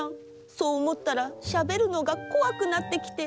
そう思ったらしゃべるのがこわくなってきて。